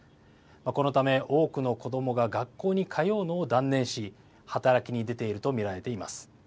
このため多くの子どもが学校に通うのを断念し働きに出ていると見られています。